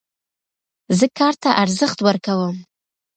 زه کار ته ارزښت ورکوم.